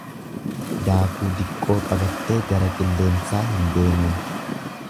Daakuu diqqoo qabattee gara qilleensaa hin deemiin.